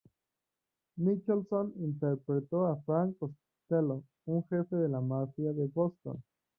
Nicholson interpretó a Frank Costello, un jefe de la mafia de Boston.